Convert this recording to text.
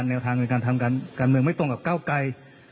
แนวทางในการทำการเมืองไม่ตรงกับก้าวไกร